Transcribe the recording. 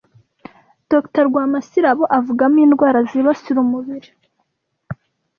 Dr Rwamasirabo avugamo indwara zibasira umubiri